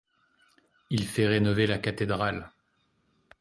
Il fait rénover la cathédrale.